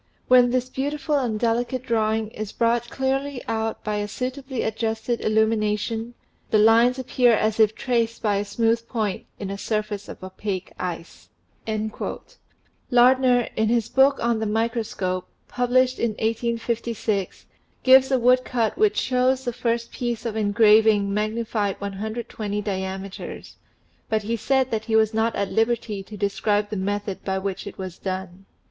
When this beautiful and delicate drawing is brought clearly out by a suitably adjusted illumination, the lines appear as if traced by a smooth point in a surface of opaque ice." Lardner, in his book on the " Microscope/' published in 1856, gives a wood cut which shows the first piece of en graving magnified 1 20 diameters, but he said that he was not at liberty to describe the method by which it was done.